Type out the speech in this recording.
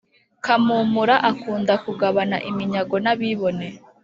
kamumura akunda kugabana iminyago n’abibone